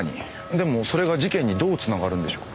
でもそれが事件にどうつながるんでしょう？